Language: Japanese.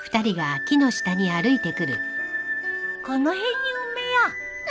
この辺に埋めよう。